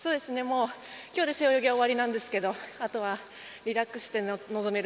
今日で背泳ぎは終わりなんですけどあとはリラックスして臨める